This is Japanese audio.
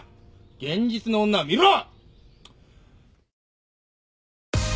現実の女を見ろ！